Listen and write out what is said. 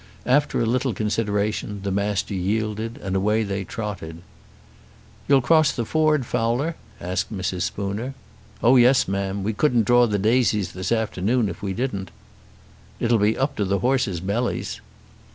After a little consideration the Master yielded, and away they trotted. "You'll cross the ford, Fowler?" asked Mrs. Spooner. "Oh yes, ma'am; we couldn't draw the Daisies this afternoon if we didn't." "It'll be up to the horses' bellies."